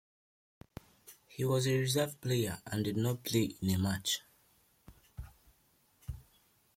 He was a reserve player and did not play in a match.